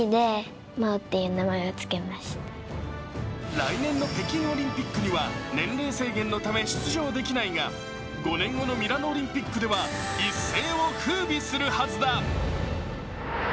来年の北京オリンピックには年齢制限のため出場できないが５年後のミラノオリンピックでは一斉を風びするはずだ。